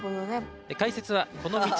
解説はこの道